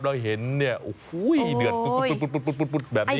เราเห็นเนี่ยโอ้โหเดือดปุ๊บแบบนี้